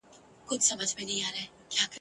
نن سبا هم د هغه ياد ژوندی دئ.